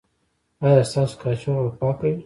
ایا ستاسو کاشوغه به پاکه وي؟